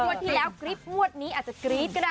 ที่แล้วกริ๊บงวดนี้อาจจะกรี๊ดก็ได้